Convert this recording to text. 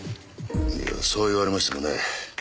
いやそう言われましてもね。